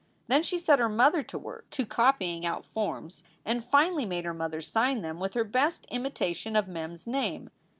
Then she set her mother to work to copying out forms, and finally made her mother sign them with her best imitation of Mem s name.